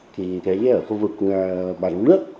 thì thấy ở khu vực bàn nước